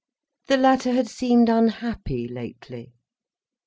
The latter had seemed unhappy lately.